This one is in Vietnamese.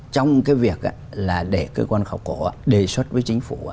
trong cái việc là để cơ quan khảo cổ đề xuất với chính phủ